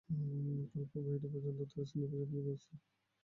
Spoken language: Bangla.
কালপ্রবাহে এটি প্রজাতন্ত্রের সিনিয়র অফিসারদের মিলনস্থল হয়ে উঠে।